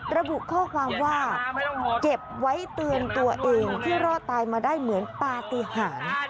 ระบุข้อความว่าเก็บไว้เตือนตัวเองที่รอดตายมาได้เหมือนปฏิหาร